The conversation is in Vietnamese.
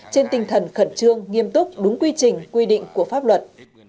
trên tinh thần khẩn trương nghiêm túc đúng quy trình quy định của pháp luật